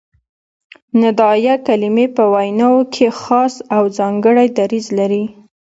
ندائیه کلیمې په ویناوو کښي خاص او ځانګړی دریځ لري.